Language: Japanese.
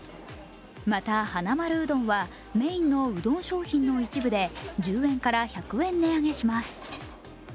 また、はなまるうどんはメインのうどん商品の一部で１０円から１００円値上げします。